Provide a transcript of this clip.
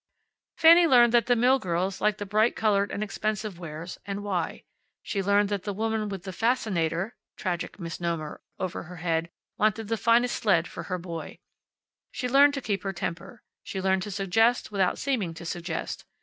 Fanny learned that the mill girls liked the bright colored and expensive wares, and why; she learned that the woman with the "fascinator" (tragic misnomer!) over her head wanted the finest sled for her boy. She learned to keep her temper. She learned to suggest without seeming to suggest.